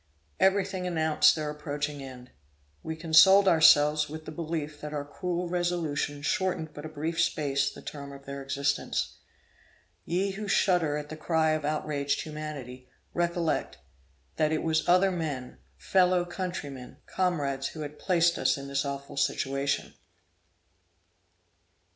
Every thing announced their approaching end. We consoled ourselves with the belief that our cruel resolution shortened but a brief space the term of their existence. Ye who shudder at the cry of outraged humanity, recollect, that it was other men, fellow countrymen, comrades who had placed us in this awful situation!